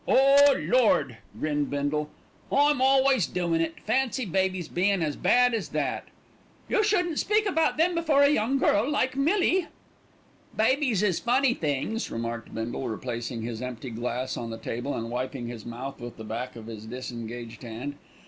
"Oh, Lord!" grinned Bindle, "I'm always doin' it. Fancy babies bein' as bad as that." "You shouldn't speak about them before a young girl like Millie." "Babies is funny things," remarked Bindle, replacing his empty glass on the table, and wiping his mouth with the back of his disengaged hand.